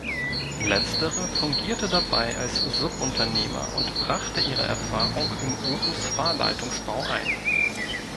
Letztere fungierte dabei als Subunternehmer und brachte ihre Erfahrung im Obus-Fahrleitungsbau ein.